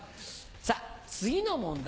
さぁ次の問題